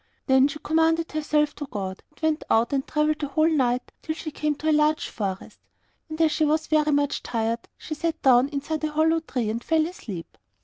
Then she commended herself to God, and went out and travelled the whole night till she came to a large forest. And as she was very much tired she sat down inside a hollow tree and fell asleep.